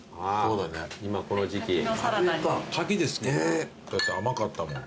だって甘かったもん。